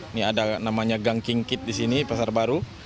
ini ada namanya gang king kid di sini pasar baru